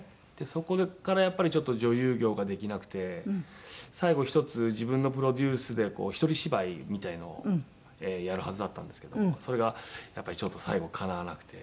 そこからやっぱりちょっと女優業ができなくて最後１つ自分のプロデュースで一人芝居みたいのをやるはずだったんですけどそれがやっぱりちょっと最後かなわなくて。